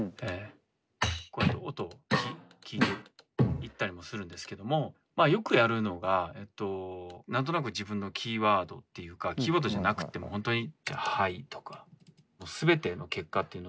こうやって音を聴いていったりもするんですけどもまあよくやるのが何となく自分のキーワードっていうかキーワードじゃなくても本当にまあ